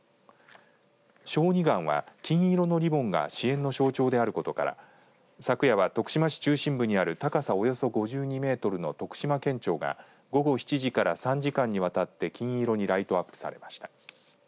小児がんは金色のリボンが支援の象徴であることから昨夜は徳島市中心部にある高さおよそ５２メートルの徳島県庁が午後７時から３時間にわたって金色にライトアップされました。